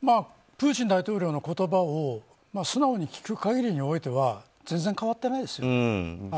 プーチン大統領の言葉を素直に聞く限りにおいては全然変わってないですよね。